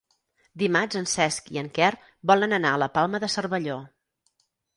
Dimarts en Cesc i en Quer volen anar a la Palma de Cervelló.